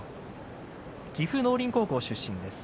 岐阜農林高校の出身です。